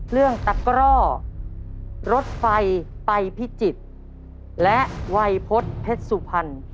เรื่องตักร่อรถไฟไปพิจิตย์และวัยพฤตเผ็ดสุพรรณ